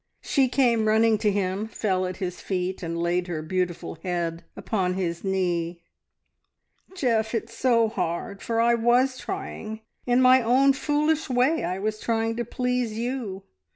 She came running to him, fell at his feet, and laid her beautiful head upon his knee. "Geoff, it's so hard, for I was trying! In my own foolish way I was trying to please, you.